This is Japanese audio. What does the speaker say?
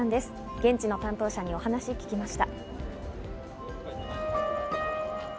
現地の担当者にお話を聞きました。